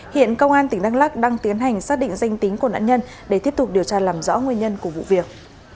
hiện công an tỉnh đắk lắc đang tiến hành xác định danh tính của nạn nhân để tiếp tục điều tra làm rõ nguyên nhân của vụ việc